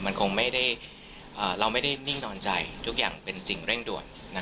มันคงไม่ได้เราไม่ได้นิ่งนอนใจทุกอย่างเป็นสิ่งเร่งด่วน